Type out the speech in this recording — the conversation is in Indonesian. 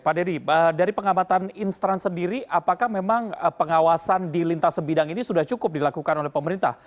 pak dedy dari pengamatan instan sendiri apakah memang pengawasan di lintas sebidang ini sudah cukup dilakukan oleh pemerintah